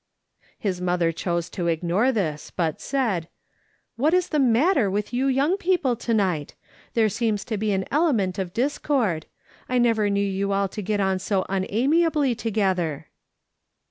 His mother chose to ignore this, but said :" Wliat is the matter with you young people to night ? There seems to be an element of discord. ISO MJCS. SOLOMON SMITH LOOKING ON. I never knew you all to get on so unamiably to gether."